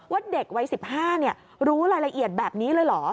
เด็กวัย๑๕รู้รายละเอียดแบบนี้เลยเหรอ